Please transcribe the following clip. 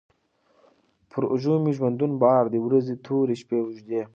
پر اوږو مي ژوندون بار دی ورځي توري، شپې اوږدې